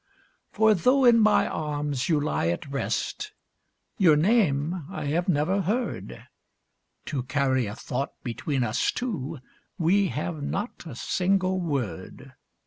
For though in my arms you lie at rest, your name I have never heard, To carry a thought between us two, we have not a single word.